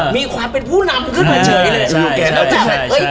มีความเป็นผู้นำขึ้นมาเฉยเลย